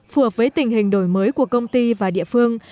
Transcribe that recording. phù hợp với tình hình đổi mới của công ty và địa phương